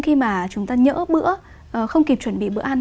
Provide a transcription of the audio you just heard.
khi mà chúng ta nhỡ bữa không kịp chuẩn bị bữa ăn